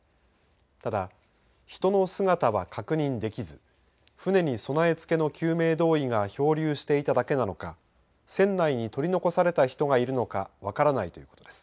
ただ、人の姿は確認できず船に備え付けの救命胴衣が漂流していただけなのか船内に取り残された人がいるのか分からないということです。